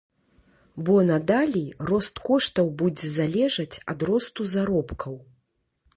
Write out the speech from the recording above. Бо надалей рост коштаў будзе залежаць ад росту заробкаў.